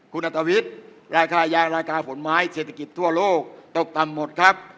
คุณอัตวิทย์ราคายางราคาผลไม้เศรษฐกิจทั่วโลกตกต่ำหมดครับ